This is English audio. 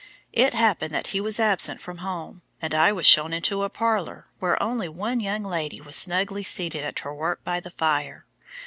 It happened that he was absent from home, and I was shown into a parlour where only one young lady was snugly seated at her work by the fire.